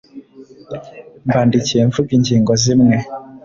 mbandikiye mvuga ingingo zimwe